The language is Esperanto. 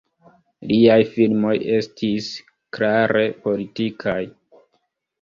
Liaj filmoj estis klare politikaj.